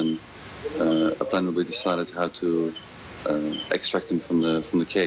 ปัญหาว่าเวลาไม่ได้อยู่ทางเรา